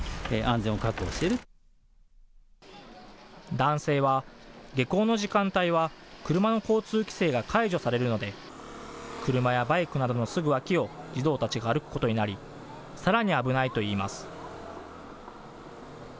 男性は下校の時間帯は車の交通規制が解除されるので車やバイクなどのすぐ脇を児童たちが歩くことになり、さらに危ないといいます。